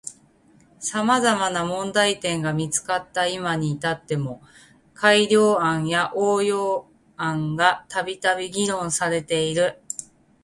様々な問題点が見つかった今に至っても改良案や応用案がたびたび議論されている。